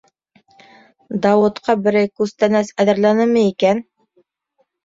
Дауытҡа берәй күстәнәс әҙерләнеме икән?